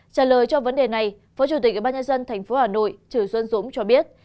trả lời cho vấn đề này phó chủ tịch ủy ban nhà dân tp hà nội trừ xuân dũng cho biết